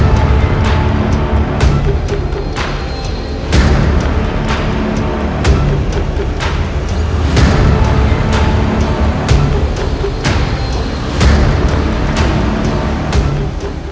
โปรดติดตามตอนต่อไป